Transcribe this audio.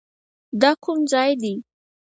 دا کوم ځاى دى.